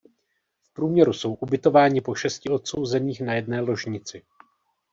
V průměru jsou ubytováni po šesti odsouzených na jedné ložnici.